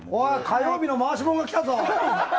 火曜日の回し者が来たぞ！